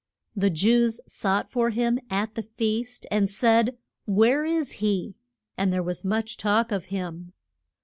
The Jews sought for him at the feast, and said, Where is he? And there was much talk of him.